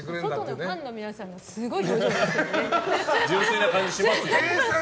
外のファンの皆さんもすごい表情ですけどね。